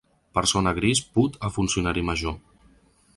Persona gris put a funcionari major.